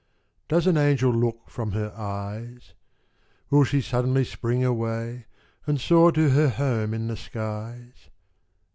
Does an angel look from her eyes? Will she suddenly spring away, And soar to her home in the skies?